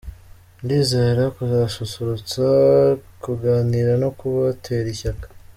Ndizera kuzasusurutsa, kuganira no kubatera ishyaka!”.